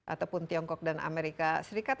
ataupun tiongkok dan amerika serikat